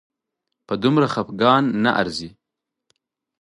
په دومره خپګان نه ارزي